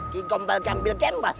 kikombal gambil kembol